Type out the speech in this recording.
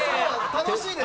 楽しいです。